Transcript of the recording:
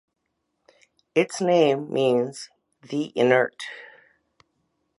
Its name means "the inert".